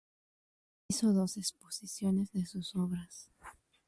Hizo dos exposiciones de sus obras.